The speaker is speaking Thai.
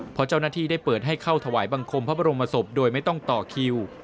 เพราะเจ้าหน้าที่ได้เปิดให้เข้าถวายบังคมพระบรมศพโดยไม่ต้องต่อคิว